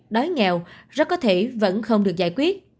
đói nghèo rất có thể vẫn không được giải quyết